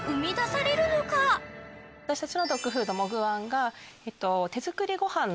私たちのドッグフードモグワンが。